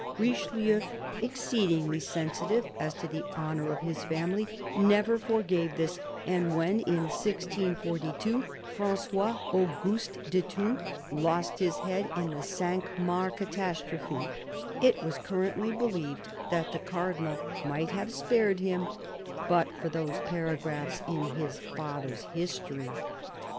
Richelieu, exceedingly sensitive as to the honour of his family, never forgave this, and when in 1642 Frangois Auguste de Thou lost his head in the Cinq Mars catas trophe, it was currently believed that the Cardinal might have spared him but for those paragraphs in his father's history.